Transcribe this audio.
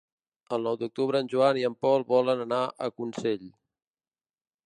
El nou d'octubre en Joan i en Pol volen anar a Consell.